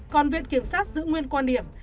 còn viện kiểm sát giữ nguyên quan điểm